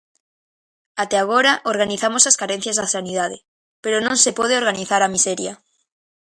Até agora organizamos as carencias da sanidade, pero non se pode organizar a miseria.